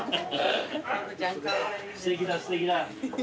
すてきだすてきだ。